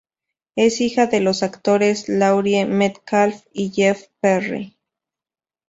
Es hija de los actores Laurie Metcalf y Jeff Perry.